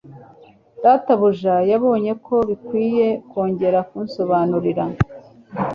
Databuja yabonye ko bikwiye kongera kunsobanurira